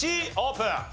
Ｃオープン！